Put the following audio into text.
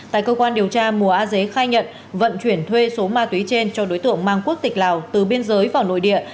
tại cơ quan điều tra mùa a dế khai nhận vận chuyển thuê số ma túy trên cho đối tượng mang quốc tịch lào từ biên giới vào nội địa